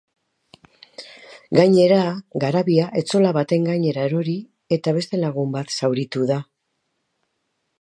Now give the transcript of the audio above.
Gainera, garabia etxola baten gainera erori eta beste lagun bat zauritu da.